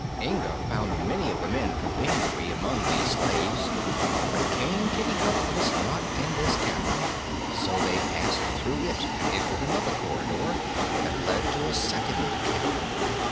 Inga found many of the men from Pingaree among these slaves, but King Kitticut was not in this cavern; so they passed through it and entered another corridor that led to a second cavern.